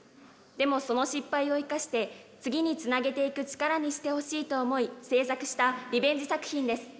でもその失敗を生かして次につなげていく力にしてほしいと思い制作したリベンジ作品です。